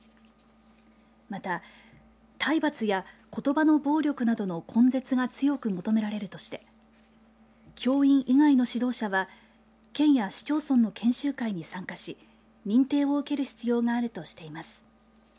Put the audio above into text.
また、体罰やことばの暴力などの根絶が強く求められるとして教員以外の指導者は県や市町村の研修会に参加し認定を受ける必要があるとしています。